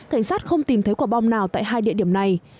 cảnh sát không tìm thấy quả bom nào tại hai địa điểm này